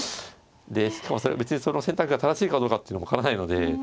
でしかもそれは別にその選択が正しいかどうかっていうのも分からないので。